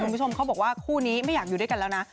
คุณผู้ชมเขาบอกว่าคู่นี้ไม่อยากอยู่ด้วยกันแล้วนะ